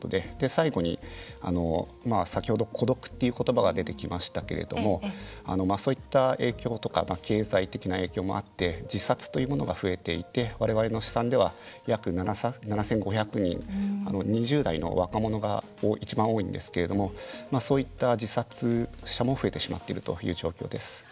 最後に先ほど孤独っていうことばが出てきましたけれどもそういった影響とか経済的な影響もあって自殺というものが増えていてわれわれの試算では約７５００人、２０代の若者が一番多いんですけれどもそういった自殺者も増えてしまっているという状況です。